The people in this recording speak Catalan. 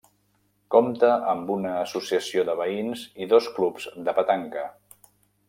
Compta amb una associació de veïns i dos clubs de petanca.